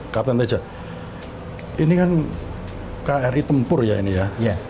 kapten teja ini kan kri tempur ya ini ya